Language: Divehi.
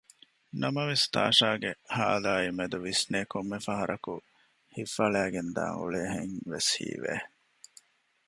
ނަމަވެސް ތާޝާގެ ހާލާއިމެދު ވިސްނޭ ކޮންމެ ފަހަރަކު ހިތް ފަޅައިގެންދާން އުޅޭހެންވެސް ހީވެ